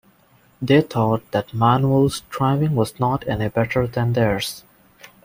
They thought that Manuel's driving was not any better than theirs.